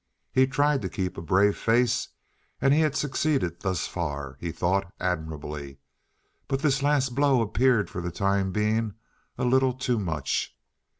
He tried to keep a brave face—and he had succeeded thus far, he thought, admirably, but this last blow appeared for the time being a little too much.